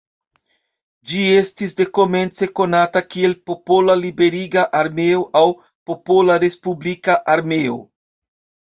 Ĝi estis dekomence konata kiel "Popola Liberiga Armeo" aŭ "Popola Respublika Armeo".